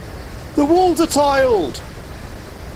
The walls are tiled.